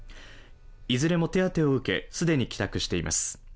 いずれも手当てを受け既に帰宅しています。